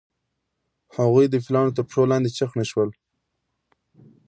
هغوی د پیلانو تر پښو لاندې چخڼي شول.